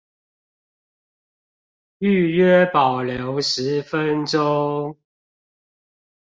預約保留十分鐘